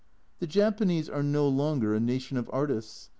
The Japanese are no longer a nation of artists.